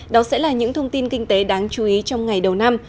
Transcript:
đó sẽ là những thông tin kinh tế đáng chú ý trong ngày đầu năm